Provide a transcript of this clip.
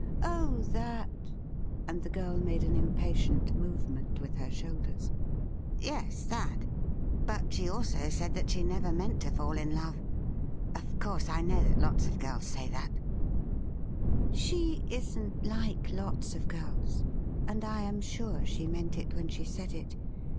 ' Oh, that !' and the girl made an impatient movement with her shoulders. ' Yes, that ; but she also said that she never meant to fall in love. Of course, I know that lots of girls say that,' ' She isn't like lots of girls, and I am sure she meant it when she said it.